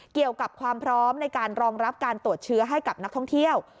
เกี่ยวกับความพร้อมในการรองรับการตรวจเชื้อให้กับนักท่องเที่ยว